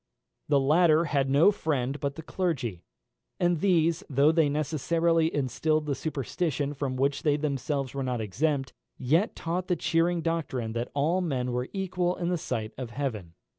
The latter had no friend but the clergy, and these, though they necessarily instilled the superstition from which they themselves were not exempt, yet taught the cheering doctrine that all men were equal in the sight of heaven.